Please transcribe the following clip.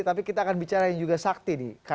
tapi kita akan bicara yang juga sakti nih